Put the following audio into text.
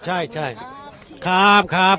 ขอบคุณครับ